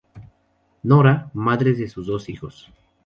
Nora:Madre de sus dos hijos.